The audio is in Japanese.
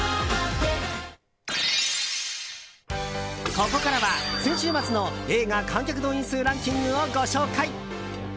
ここからは先週末の映画観客動員数ランキングをご紹介。